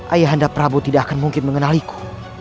ayah anda prabowo tidak akan mungkin mengenaliku